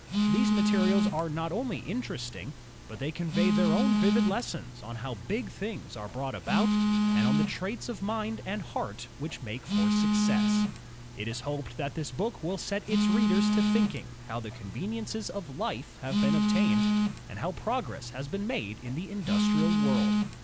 These materials are not only interesting, but they convey their own vivid lessons on how big things are brought about, and on the traits of mind and heart which make for success. It is hoped that this book will set its readers to think ing how the conveniences of life have been obtained, and how progress has been made in the industrial world.